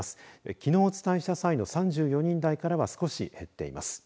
きのうお伝えした際の３４人台からは少し減っています。